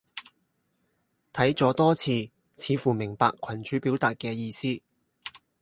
睇咗多次，似乎明白群主表達嘅意思